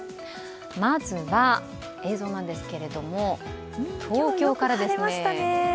まずは映像なんですけれども、東京からですね。